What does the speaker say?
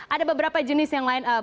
ada beberapa jenis yang lain